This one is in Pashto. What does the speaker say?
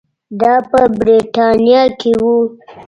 دا په برېټانیا کې وو.